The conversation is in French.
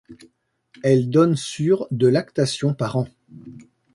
Elle donne sur de lactation par an.